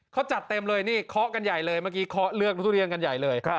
เขาจัดเต็มเลยนี่เคาะกันใหญ่เลยเมื่อกี้เคาะเลือกทุเรียนกันใหญ่เลย